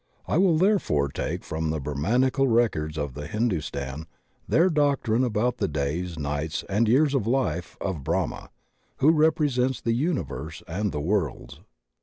I will therefore take from the Brahmanical records of Hindustan their doctrine about the days, nights, and years of life of Brahma, who represents the universe and the worlds.